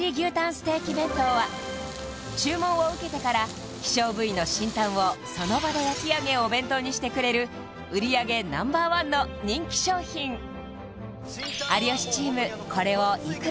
ステーキ弁当は注文を受けてから希少部位の芯タンをその場で焼き上げお弁当にしてくれる売り上げＮｏ．１の人気商品有吉チーム